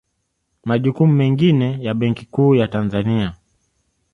Majukumu mengine ya Benki Kuu ya Tanzania